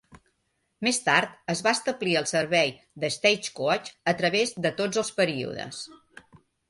Més tard es va establir el servei de Stagecoach a través de tots els períodes.